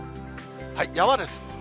山です。